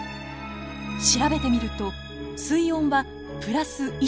調べてみると水温はプラス１．４度。